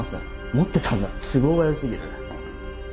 持ってたんなら都合が良すぎる。